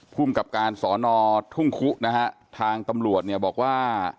ภูมิกับการสอนอทุ่งคุนะฮะทางตำรวจเนี่ยบอกว่า